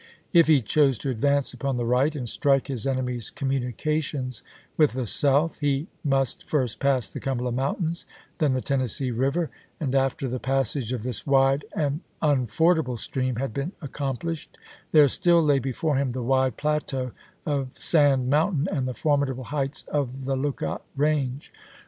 If he chose to advance upon the right and strike his enemy's communications with the South he must first pass the Cumberland Mountains, then the Tennessee River, and after the passage of this wide and unf ordable stream had been accomplished, there still lay before him the wide plateau of Sand Mountain and the formidable heights of the Look out range.